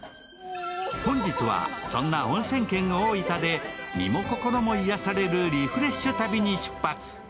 本日はそんなおんせん県の大分で身も心も癒やされるリフレッシュ旅に出発。